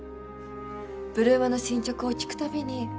８ＬＯＯＭ の新曲を聴くたびに